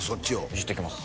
いじってきます